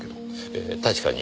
ええ確かに。